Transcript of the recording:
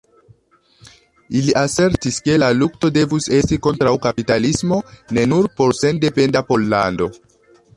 Ili asertis ke la lukto devus esti kontraŭ kapitalismo, ne nur por sendependa Pollando.